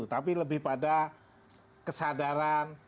tapi lebih pada kesadaran